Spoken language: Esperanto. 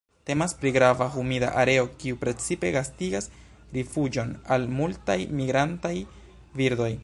Temas pri grava humida areo, kiu precipe gastigas rifuĝon al multaj migrantaj birdoj.